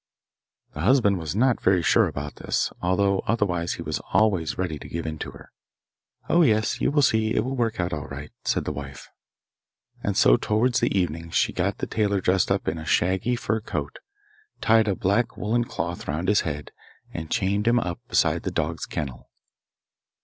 The husband was not very sure about this, although otherwise he was always ready to give in to her. 'Oh yes, you will see it will work all right,' said the wife. And so towards evening she got the tailor dressed up in a shaggy fur coat, tied a black woollen cloth round his head, and chained him up beside the dog's kennel.